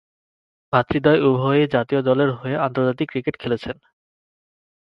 ভ্রাতৃদ্বয় উভয়েই জাতীয় দলের হয়ে আন্তর্জাতিক ক্রিকেট খেলছেন।